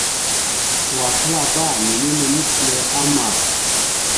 Wa klaabba minime mefle ama.